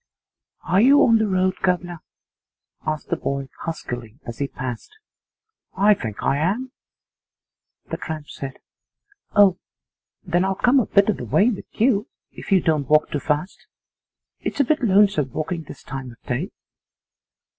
'Are you on the road, guv'nor?' asked the boy huskily as he passed. 'I think I am,' the tramp said. 'Oh! then I'll come a bit of the way with you if you don't walk too fast. It's bit lonesome walking this time of day.